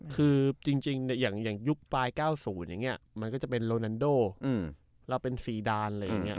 คือจริงอย่างยุคปลาย๙๐มันก็จะเป็นโรนันโดแล้วเป็นซีดาน